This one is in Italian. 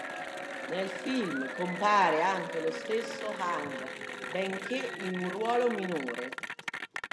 Nel film compare anche lo stesso Hung, benché in un ruolo minore.